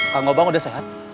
pak ngobang udah sehat